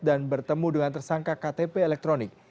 dan bertemu dengan tersangka ktp elektronik